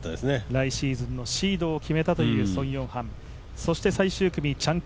来シーズンのシードを決めたという、ソン・ヨンハン。